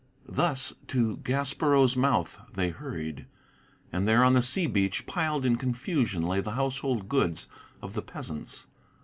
Thus to the Gaspereau's mouth they hurried; and there on the sea beach Piled in confusion lay the household goods of the peasants.